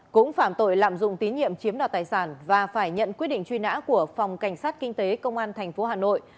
cũng phạm tội lạm dụng tín nhiệm chiếm đoạt tài sản và phải nhận quyết định truy nã của phòng cảnh sát kinh tế công an tp hà nội